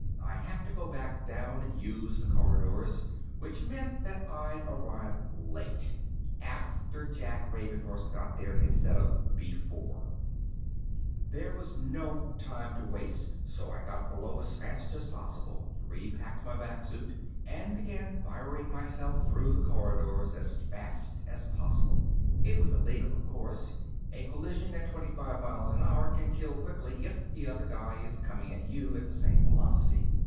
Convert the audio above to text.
I'd have to go back down and use the corridors, which meant that I'd arrive late after Jack Ravenhurst got there, instead of before. There was no time to waste, so I got below as fast as possible, repacked my vac suit, and began firing myself through the corridors as fast as possible. It was illegal, of course; a collision at twenty five miles an hour can kill quickly if the other guy is coming at you at the same velocity.